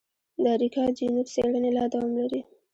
د اریکا چینوت څېړنې لا دوام لري.